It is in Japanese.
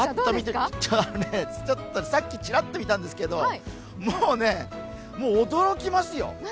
さっきちらっと見たんですけど、もうね、驚きますよ。